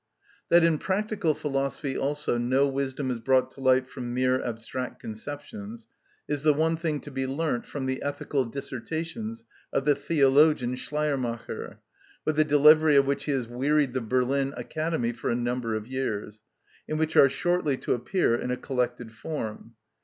That in practical philosophy also no wisdom is brought to light from mere abstract conceptions is the one thing to be learnt from the ethical dissertations of the theologian Schleiermacher, with the delivery of which he has wearied the Berlin Academy for a number of years, and which are shortly to appear in a collected form.